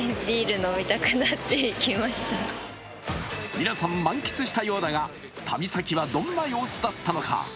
皆さん、満喫したようだが旅先はどんな様子だったのか？